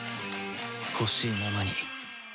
ほしいままに